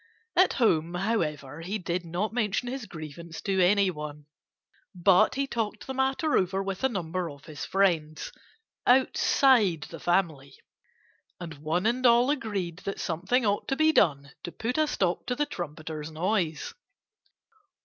At home, however, he did not mention his grievance to anyone. But he talked the matter over with a number of his friends outside the family. And one and all agreed that something ought to be done to put a stop to the trumpeter's noise.